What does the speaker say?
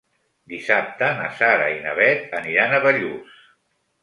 Dissabte na Sara i na Bet aniran a Bellús.